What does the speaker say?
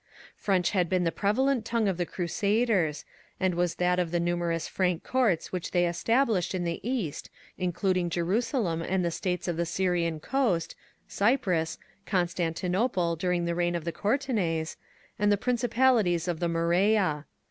French had been the prevalent tongue of the Crusaders, and was that of the numerous Frank Courts which they established in the East, including Jerusalem and the states of the Syrian coast, Cyprus, Constantinople during the reign of the Courtenays, and the principalities of the Morea.